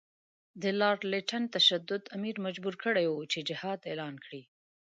د لارډ لیټن تشدد امیر مجبور کړی وو چې جهاد اعلان کړي.